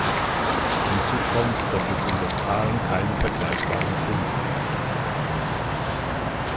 Hinzu kommt, dass es in Westfalen keine vergleichbaren Funde gibt.